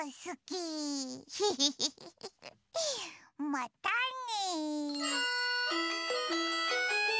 またね。